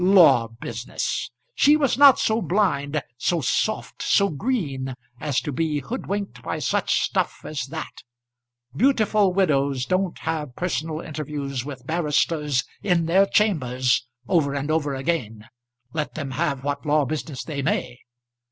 Law business! she was not so blind, so soft, so green, as to be hoodwinked by such stuff as that. Beautiful widows don't have personal interviews with barristers in their chambers over and over again, let them have what law business they may.